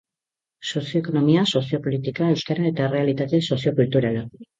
Sozio-ekonomia, sozio-politika, euskara eta errealitate sozio-kulturala.